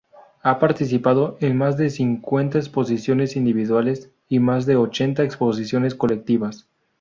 Ha participado en más de cincuenta exposiciones individuales y más de ochenta exposiciones colectivas.